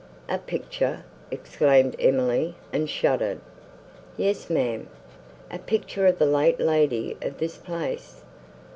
"A picture!" exclaimed Emily, and shuddered. "Yes, ma'am, a picture of the late lady of this place.